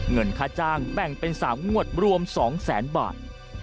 เงินค่าจ้างแบ่งเป็น๓งวดรวม๒แสนบาท